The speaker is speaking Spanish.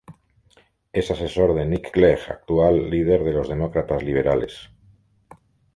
Es asesor de Nick Clegg actual líder de los Demócratas Liberales.